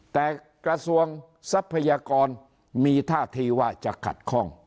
แต่กระทรวงทรัพยากรมีท่าทีว่าจะขัดข้อง